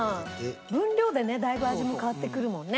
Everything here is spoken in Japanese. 分量でねだいぶ味も変わってくるもんね。